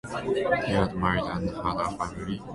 He had married and had a family.